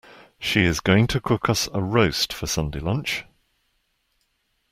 She is going to cook us a roast for Sunday lunch